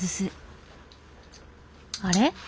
あれ？